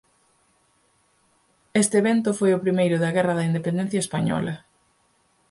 Este evento foi o primeiro da Guerra da Independencia española.